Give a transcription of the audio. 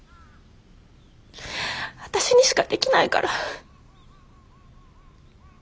私にしかできないから。